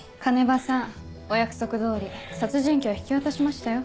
鐘場さんお約束通り殺人鬼は引き渡しましたよ。